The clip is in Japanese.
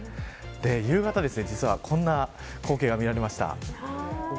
夕方、実はこんな光景が見られました。